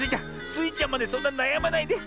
スイちゃんまでそんななやまないで。